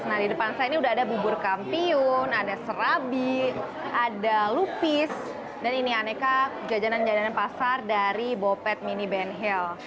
nah di depan saya ini udah ada bubur kampiun ada serabi ada lupis dan ini aneka jajanan jajanan pasar dari bopet mini ben hill